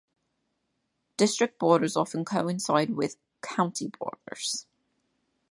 District borders often coincide with county borders.